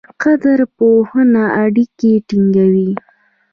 قدرپوهنه اړیکې ټینګوي.